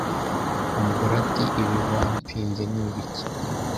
umugore ati Ibi wamfinze ni ibiki